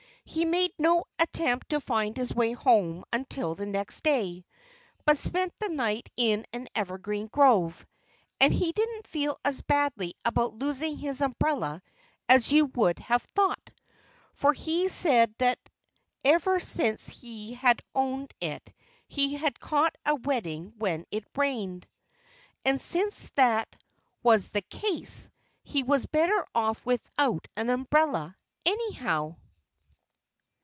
He made no attempt to find his way home until the next day, but spent the night in an evergreen grove. And he didn't feel as badly about losing his umbrella as you would have thought, for he said that ever since he had owned it he had caught a wetting when it rained. And since that was the case, he was better off without an umbrella, anyhow.